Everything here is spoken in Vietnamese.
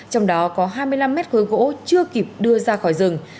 trong đó có hai mươi năm mét khối gỗ chưa kịp đưa ra khỏi rừng